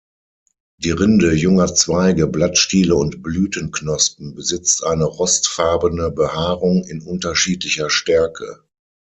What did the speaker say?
Die Rinde junger Zweige, Blattstiele und Blütenknospen besitzt eine rostfarbene Behaarung in unterschiedlicher Stärke.